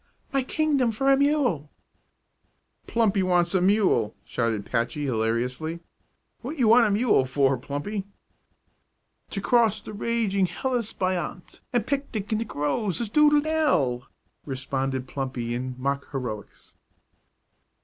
my kingdom for a mule!" "Plumpy wants a mule!" shouted Patchy, hilariously. "What you want a mule for, Plumpy?" "To cross the raging Helles py ont and picnic in the groves of doodle dell," responded Plumpy, in mock heroics.